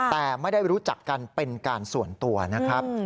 แต่ไม่ได้รู้จักกันเป็นการส่วนตัวนะครับ